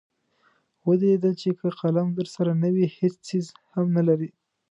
ودې لیدل چې که قلم درسره نه وي هېڅ څیز هم نلرئ.